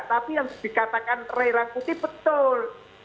tapi yang dikatakan ray rangkuti betul